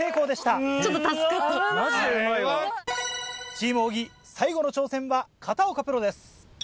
チーム小木最後の挑戦は片岡プロです。